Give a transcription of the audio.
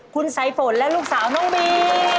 คุณสายฝนและลูกสาวน้องบี